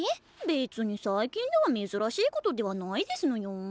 別に最近では珍しいことではないですのよ。